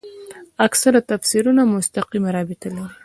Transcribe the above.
اکثره تفسیرونه مستقیمه رابطه لري.